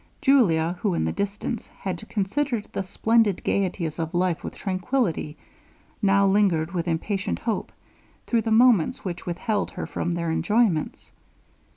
Julia, who, in the distance, had considered the splendid gaieties of life with tranquillity, now lingered with impatient hope through the moments which withheld her from their enjoyments.